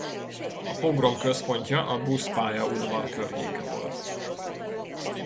A pogrom központja a buszpályaudvar környéke volt.